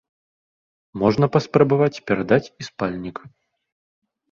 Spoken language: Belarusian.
Можна паспрабаваць перадаць і спальнік.